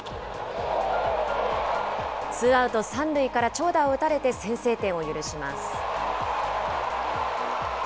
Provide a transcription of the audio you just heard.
ツーアウト３塁から長打を打たれて先制点を許します。